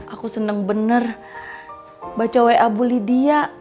aku seneng bener baca wa bu lydia